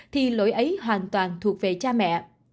thì lỗi ấy hoàn toàn thuộc về cha mẹ